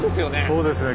そうですね